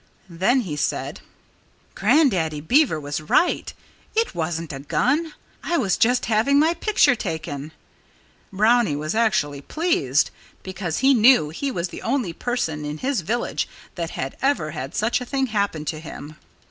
Then he said: "Grandaddy Beaver was right. It wasn't a gun. I was just having my picture taken." Brownie was actually pleased, because he knew he was the only person in his village that had ever had such a thing happen to him.